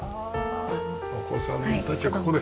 お子さんたちはここで。